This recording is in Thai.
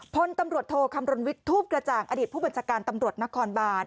พลตำรวจโทคำรณวิทย์ทูปกระจ่างอดีตผู้บัญชาการตำรวจนครบาน